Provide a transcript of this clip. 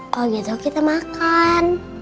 kalau gitu kita makan